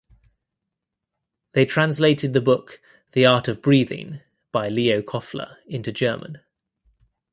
They translated the book "The Art of Breathing" by Leo Kofler into German.